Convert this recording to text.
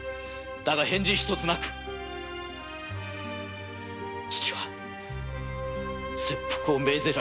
だが返事１つなく父は切腹を命ぜられた。